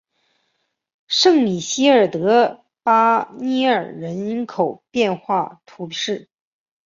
圣米歇尔德巴涅尔人口变化图示